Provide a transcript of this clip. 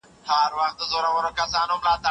که کفاره ورنه کړل سي ګناه نه بخښل کیږي.